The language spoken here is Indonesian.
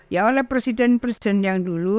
ya oleh presiden presiden yang dulu